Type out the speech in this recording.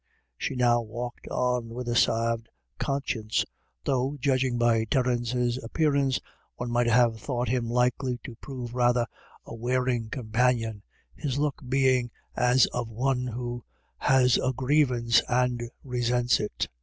She now walked on with a salved conscience, though, judging by Terence's appearance, one might have thought him likely to prove rather a wearing companion, his look being as of one who has a grievance and resents it.